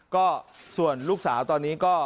ก็ส่วนลูกสาวตอนนี้ก็